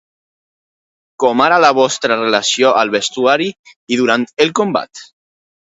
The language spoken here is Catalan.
Com era la vostra relació al vestuari, i durant el combat?